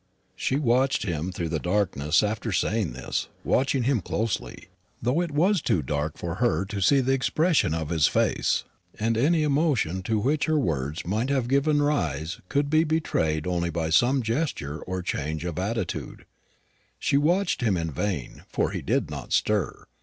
She watched him through the darkness after saying this, watched him closely, though it was too dark for her to see the expression of his face, and any emotion to which her words might have given rise could be betrayed only by some gesture or change of attitude. She watched him in vain, for he did not stir.